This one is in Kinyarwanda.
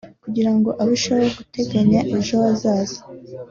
kugirango arusheho guteganyiriza ejo hazaza